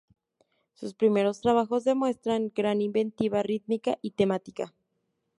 Sus primeros trabajos demuestran gran inventiva rítmica y temática.